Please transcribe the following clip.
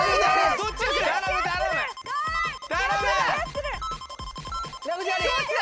どっちだ